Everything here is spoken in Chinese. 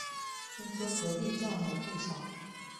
听说隔壁赚了不少